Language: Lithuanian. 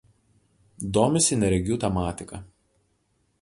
Domisi neregių tematika.